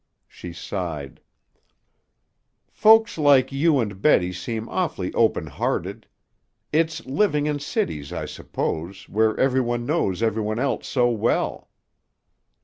She sighed, "Folks like you and Betty seem awfully open hearted. It's living in cities, I suppose, where every one knows every one else so well."